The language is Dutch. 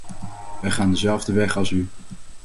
Wij gaan dezelfde weg als u.